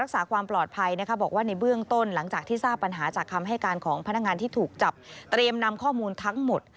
ซ่าปัญหาจากคำให้การของพนักงานที่ถูกจับเตรียมนำข้อมูลทั้งหมด